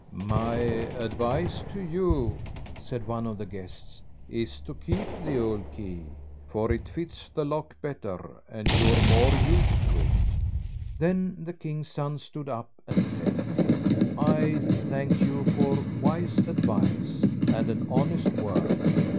"My advice to you," said one of the guests, "is to keep the old key, for it fits the lock better and you're more used to it." Then the king's son stood up and said: "I thank you for a wise advice and an honest word.